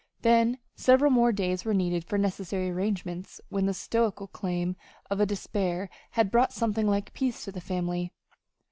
Then several more days were needed for necessary arrangements when the stoical calm of despair had brought something like peace to the family.